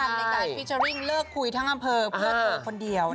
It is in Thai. ในการฟิเจอร์ริ่งเลิกคุยทั้งอำเภอเพื่อตัวคนเดียว